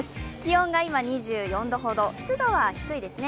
気温が今２４度ほど、湿度は低いですね。